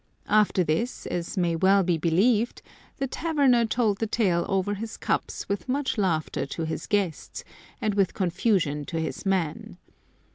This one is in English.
^ After this, as may well be believed, the taverner told the tale over his cups with much laughter to his guests, and with confusion to his man.